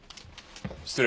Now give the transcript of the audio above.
失礼。